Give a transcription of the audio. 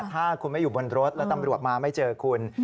ถ้าคุณไม่อยู่บนรถแล้วตำรวจมาไม่เจอคุณ